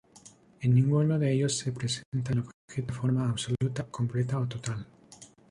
En ninguno de ellos se presenta el objeto en forma absoluta, completa o total.